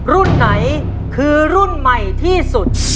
รุ่นไหนคือรุ่นใหม่ที่สุด